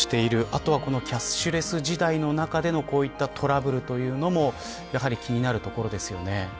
あとはキャッシュレス時代の中でのこういったトラブルというのもやはり気になるところですよね。